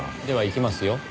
ではいきますよ。